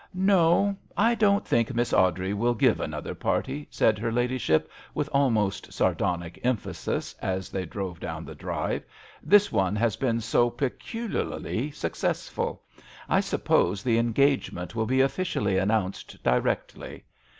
"No, I don't think Miss Awdrey will give another party/' said her ladyship, with almost sardonic emphasis, as they drove down the drive; "this one has been so peculiarly successful: I suppose the engagement will be officially announced directly."